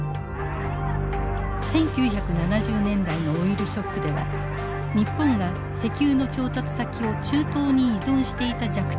１９７０年代のオイルショックでは日本が石油の調達先を中東に依存していた弱点が露呈。